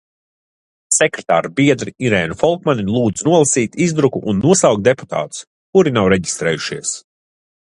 Sekretāra biedri Irēnu Folkmani lūdzu nolasīt izdruku un nosaukt deputātus, kuri nav reģistrējušies.